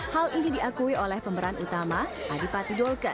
hal ini diakui oleh pemberan utama adipati golkan